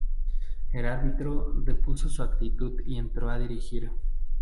El árbitro depuso su actitud y entró a dirigir.